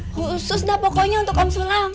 khusus dah pokoknya untuk om sulam